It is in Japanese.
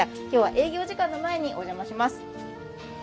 今日は営業時間の前にお邪魔します。